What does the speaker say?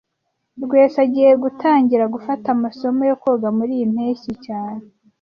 Rwesa agiye gutangira gufata amasomo yo koga muriyi mpeshyi cyane